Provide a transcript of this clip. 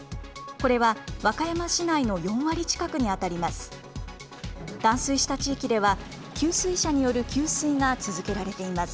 これは和歌山市内の４割近くに当たります。